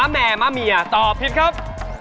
แม่มะเมียตอบผิดครับ